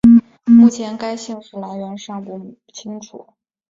目前该姓氏来源尚不清楚。